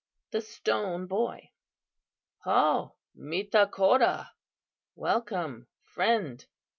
The Stone Boy "Ho, mita koda!" (welcome, friend!)